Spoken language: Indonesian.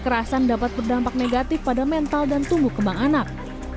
kekerasan dapat berdampak negatif pada mental dan tumbuh kembang anak